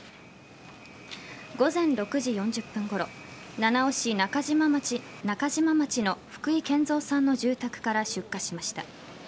午前６時４０分ごろ七尾市中島町の福井憲三さんの住宅から出火しました。